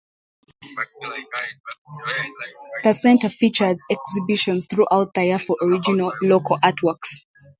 The center features exhibitions throughout the year for original local artworks.